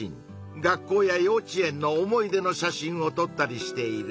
学校やようちえんの思い出の写真をとったりしている。